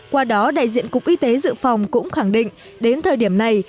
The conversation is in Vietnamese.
qua đó đại diện cục y tế dự phòng cũng khẳng định đến thời điểm này